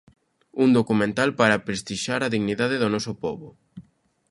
Un documental para prestixiar a dignidade do noso pobo.